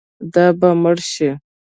دا به مړ شي.